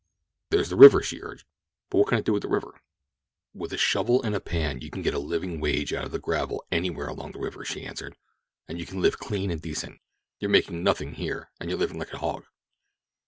"There's the river," she urged. "And what can I do with the river?" "With a shovel and a pan, you can get a living wage out of the gravel anywhere along the river," she answered. "And you can live clean and decent. You're making nothing here, and you're living like a hog."